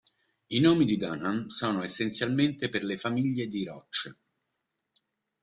I nomi di Dunham sono essenzialmente per le famiglie di rocce.